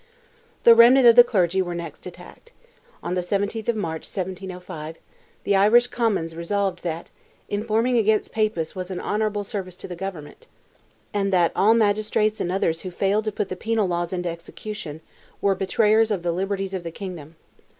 The remnant of the clergy were next attacked. On the 17th of March, 1705, the Irish Commons resolved, that "informing against Papists was an honourable service to the government," and that all magistrates and others who failed to put the penal laws into execution, "were betrayers of the liberties of the kingdom."